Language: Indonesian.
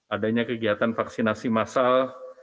adanya kegiatan vaksinasi massal